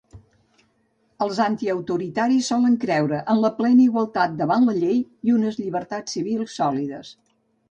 Els antiautoritaris solen creure en la plena igualtat davant la llei i unes llibertats civils sòlides.